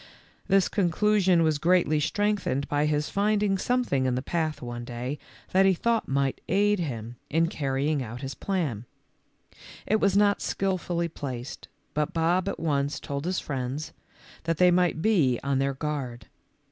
This conclusion was greatly strengthened by his finding something in the path one day that he thought might aid him in carrying out his plan. It was not skilfully placed, but Bob at once told his friends, that they might be on their guard.